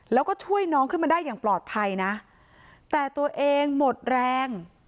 แล้วก็ช่วยน้องขึ้นมาได้อย่างปลอดภัยนะแต่ตัวเองหมดแรง